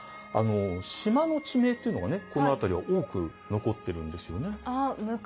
島の地名っていうのがねこの辺りは多く残ってるんですよね。